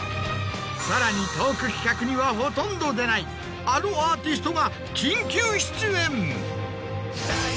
さらにトーク企画にはほとんど出ないあのアーティストが緊急出演。